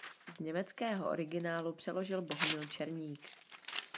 Z německého originálu přeložil Bohumil Černík.